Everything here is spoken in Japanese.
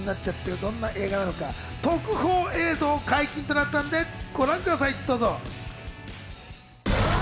どんな映画なのか、特報映像解禁となったのでご覧ください、どうぞ。